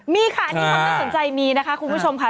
มีค่ะอันนี้ความน่าสนใจมีนะคะคุณผู้ชมค่ะ